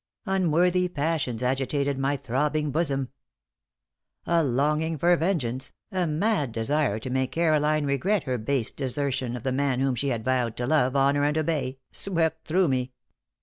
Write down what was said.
Unworthy passions agitated my throbbing bosom. A longing for vengeance, a mad desire to make Caroline regret her base desertion of the man whom she had vowed to love, honor and obey, swept through me.